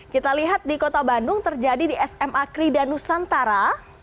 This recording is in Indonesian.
kita lihat di kota bandung terjadi di sma kridanusantara